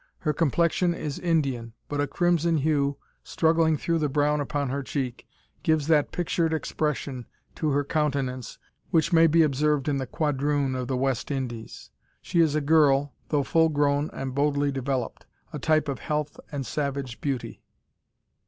Her complexion is Indian; but a crimson hue, struggling through the brown upon her cheek, gives that pictured expression to her countenance which may be observed in the quadroon of the West Indies. She is a girl, though full grown and boldly developed: a type of health and savage beauty.